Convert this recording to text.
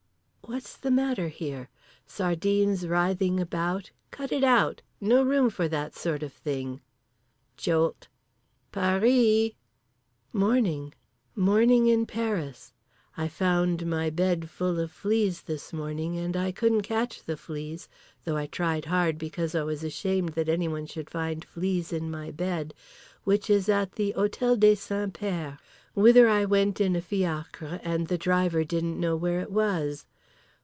What's the matter here? Sardines writhing about, cut it out, no room for that sort of thing. Jolt. "Paris." Morning. Morning in Paris. I found my bed full of fleas this morning, and I couldn't catch the fleas, though I tried hard because I was ashamed that anyone should find fleas in my bed which is at the Hotel des Saints Pères whither I went in a fiacre and the driver didn't know where it was.